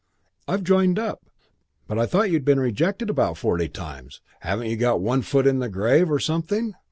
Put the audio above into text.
"I've joined up." "But I thought you'd been rejected about forty times. Haven't you got one foot in the grave or something?"